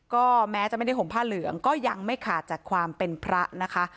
ก็แม้จะไม่ได้ห่มผ้าเหลืองก็ยังไม่ขาดจากความเป็นพระนะคะ